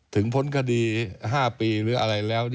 พ้นคดี๕ปีหรืออะไรแล้ว